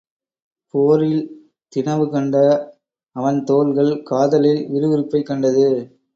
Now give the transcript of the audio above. போரில் தினவு கண்ட அவன் தோள்கள் காதலில் விறு விறுப்பைக் கண்டது.